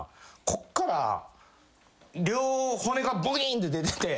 こっから両骨がブキーンって出てて。